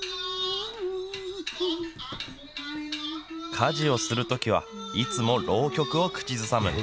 家事をするときはいつも浪曲を口ずさむ。